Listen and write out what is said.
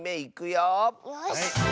よし！